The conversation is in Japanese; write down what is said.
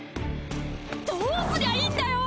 どうすりゃいいんだよ！